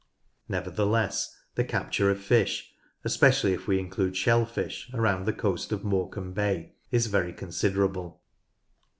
Nevertheless, the capture of fish (especially if we include shellfish) around the coast of Morecambe Bay is very considerable.